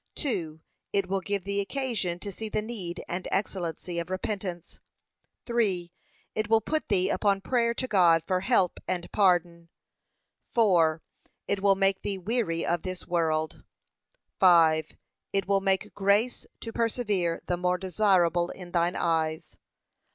2. It will give thee occasion to see the need and excellency of repentance. 3. It will put thee upon prayer to God for help and pardon. 4. It will make thee weary of this world. 5. It will make grace to persevere the more desirable in thine eyes.